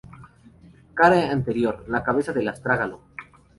Cara anterior: La cabeza del astrágalo.